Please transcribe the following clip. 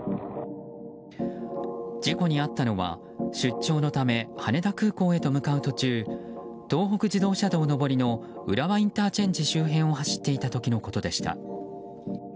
事故に遭ったのは、出張のため羽田空港へと向かう途中東北自動車道上りの浦和ＩＣ周辺を走っていた時のことでした。